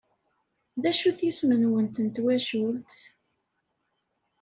D acu-t yisem-nwent n twacult?